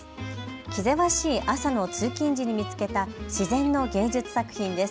気ぜわしい朝の通勤時に見つけた自然の芸術作品です。